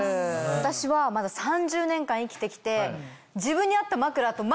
私はまだ３０年間生きてきて。